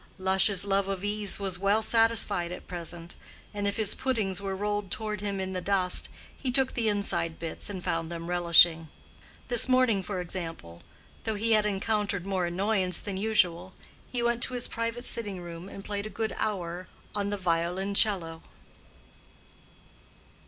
Lush's love of ease was well satisfied at present, and if his puddings were rolled toward him in the dust, he took the inside bits and found them relishing. This morning, for example, though he had encountered more annoyance than usual, he went to his private sitting room and played a good hour on the violoncello.